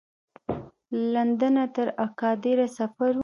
له لندنه تر اګادیره سفر و.